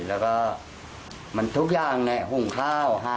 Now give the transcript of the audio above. แล้วก็มันทุกอย่างเนี่ยหุงข้าวหาข้าว